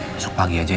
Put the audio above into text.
besok pagi aja ya